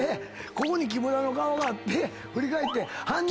ここに木村の顔があって振り返って。